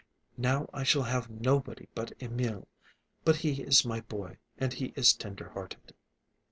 Now I shall have nobody but Emil. But he is my boy, and he is tender hearted."